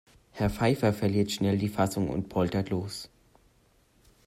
Herr Pfeiffer verliert schnell die Fassung und poltert los.